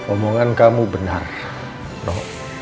omongan kamu benar no